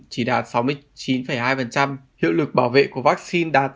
chỉ đạt sáu mươi chín hai hiệu lực bảo vệ của vaccine đạt sáu mươi chín hai